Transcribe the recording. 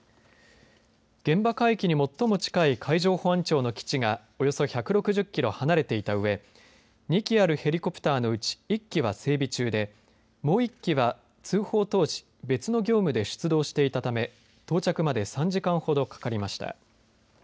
現場海域に最も近い海上保安庁の基地がおよそ１６０キロ離れていたうえ２機あるヘリコプターのうち１機は整備中でもう１機は通報当時別の業務で出動していたため到着まで３時間ほどかかりました。